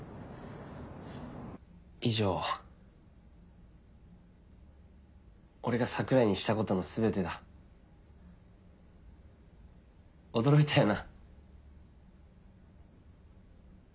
以上俺が桜井にしたこと驚いたよな